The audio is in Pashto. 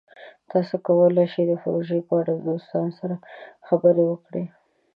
تاسو کولی شئ د پروژې په اړه د دوستانو سره خبرې وکړئ.